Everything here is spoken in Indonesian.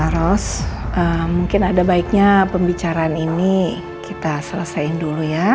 terus mungkin ada baiknya pembicaraan ini kita selesaikan dulu ya